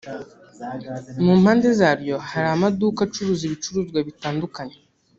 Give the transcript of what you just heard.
mu mpande zaryo hari amaduka acuruza ibicuruzwa bitandukanye